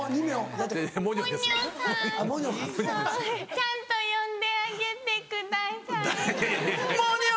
ちゃんと呼んであげてください。もにょ！